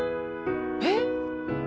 えっ？